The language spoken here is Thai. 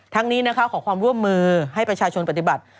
นี้นะคะขอความร่วมมือให้ประชาชนปฏิบัติ